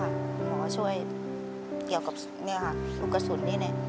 หัวเขาช่วยเกี่ยวกับนี่ค่ะลูกกระสุนนี่